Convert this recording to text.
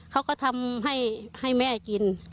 เขาก็ทำให้แม่กิน